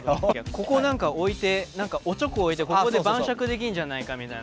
ここなんか置いておちょこ置いて晩酌できるんじゃないかみたいな。